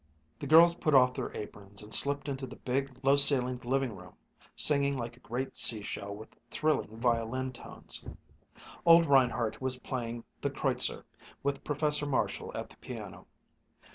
The girls put off their aprons and slipped into the big, low ceilinged living room, singing like a great sea shell with thrilling violin tones. Old Reinhardt was playing the Kreutzer, with Professor Marshall at the piano.